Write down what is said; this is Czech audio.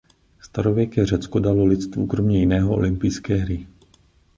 Starověké Řecko dalo lidstvu kromě jiného olympijské hry.